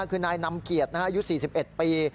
คือนายนำเกียรติอายุ๔๑ปี